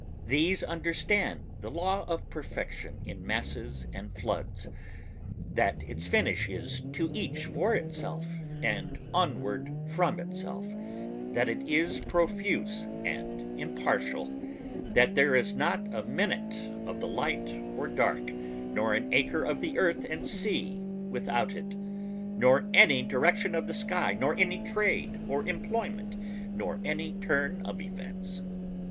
These understand the law of perfection in masses and floods ... that its finish is to each for itself and onward from itself ... that it is profuse and impartial ... that there is not a minute of the light or dark nor an acre of the earth and sea without it nor any direction of the sky nor any trade or employment nor any turn of events.